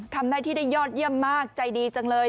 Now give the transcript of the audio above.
ทำหน้าที่ได้ยอดเยี่ยมมากใจดีจังเลย